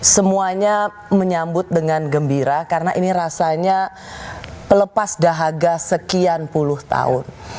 semuanya menyambut dengan gembira karena ini rasanya pelepas dahaga sekian puluh tahun